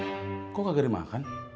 ini gorengan sama nasuduk siapa be